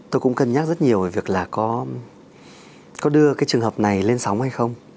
tôi cũng cân nhắc rất nhiều về việc là có đưa cái trường hợp này lên sóng hay không